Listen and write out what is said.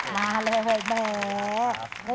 มาเลยแม่